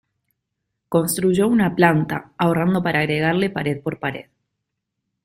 Construyó una planta, ahorrando para agregarle pared por pared.